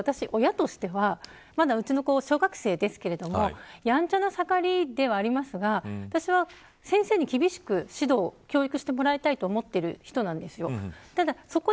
ただ一方で私は親としてはまだ、うちの子は小学生ですけどやんちゃな盛りではありますが私は、先生に厳しく指導教育してもらいたいと思っている人なんですよ。